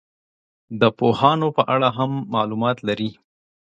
د پوهانو په اړه هم معلومات لري.